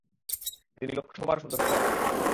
তিনি লোকসভার সদস্য হন।